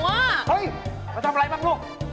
เฮ้ยมาทำอะไรบ้างลูก